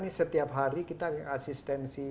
ini setiap hari kita asistensi